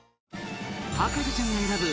博士ちゃんが選ぶ。